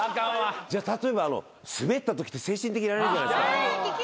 じゃあ例えばスベったときって精神的にやられるじゃないですか。